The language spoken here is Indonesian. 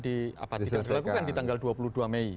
tidak dilakukan di tanggal dua puluh dua mei